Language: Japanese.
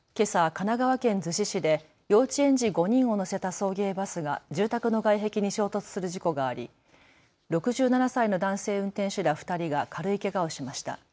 神奈川県逗子市で幼稚園児５人を乗せた送迎バスが住宅の外壁に衝突する事故があり６７歳の男性運転手ら２人が軽いけがをしました。